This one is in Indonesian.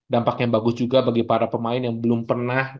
dampaknya bagus juga bagi para pemain yang belum pernah